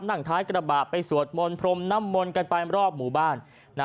นั่งท้ายกระบาดไปสวดมนตร์พรมนมนตร์กันไปรอด